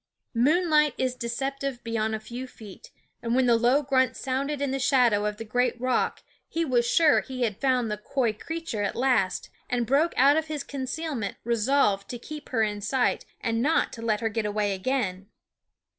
Moonlight is decep tive beyond a few feet, and when the low grunt sounded in the shadow of the great rock he was sure he had found the coy crea ture at last, and broke out of his conceal ment resolved to keep her in sight and not to let her get away again.